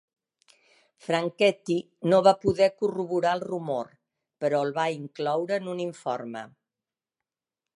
Franchetti no va poder corroborar el rumor, però el va incloure en un informe.